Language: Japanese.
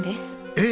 えっ！？